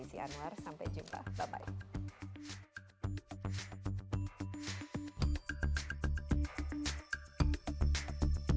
sekarang kita akan berjalan